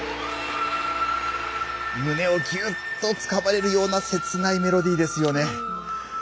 胸をぎゅっとつかまれるような切ないメロディーですよね。